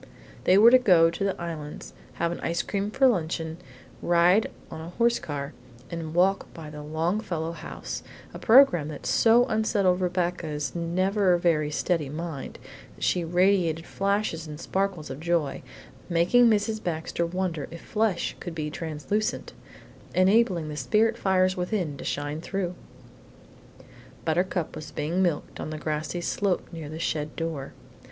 They were to go to the Islands, have ice cream for luncheon, ride on a horse car, and walk by the Longfellow house, a programme that so unsettled Rebecca's never very steady mind that she radiated flashes and sparkles of joy, making Mrs. Baxter wonder if flesh could be translucent, enabling the spirit fires within to shine through? Buttercup was being milked on the grassy slope near the shed door.